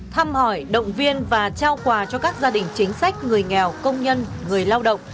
thăm hỏi động viên và trao quà cho các gia đình chính sách người nghèo công nhân người lao động